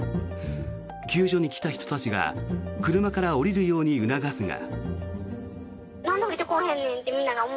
救助に来た人たちが車から降りるように促すが。